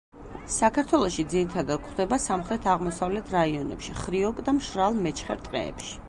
საქართველოში ძირითადად გვხვდება სამხრეთ-აღმოსავლეთ რაიონებში, ხრიოკ და მშრალ მეჩხერ ტყეებში.